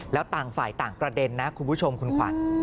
แล้วต่างฝ่ายต่างกระเด็นนะคุณผู้ชมคุณขวัญ